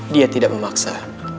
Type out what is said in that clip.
dia tidak memaksa